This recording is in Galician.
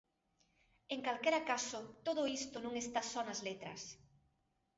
En calquera caso, todo isto non está só nas letras.